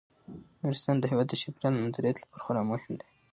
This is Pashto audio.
نورستان د هیواد د چاپیریال د مدیریت لپاره خورا مهم دی.